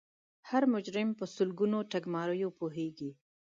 هر مجرم په سلګونو ټګماریو پوهیږي